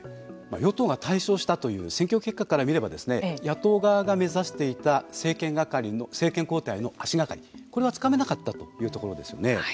与党が大勝したという選挙結果からみれば野党側が目指していた政権が交代の足がかりこれはつかめなかったというところですよね。